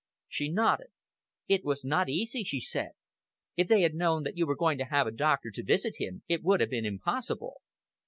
She nodded. "It was not easy," she said. "If they had known that you were going to have a doctor to visit him, it would have been impossible."